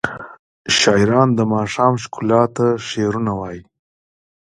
شاعران د ماښام ښکلا ته شعرونه وايي.